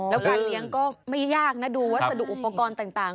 แล้วการเลี้ยงก็ไม่ยากนะดูวัสดุอุปกรณ์ต่าง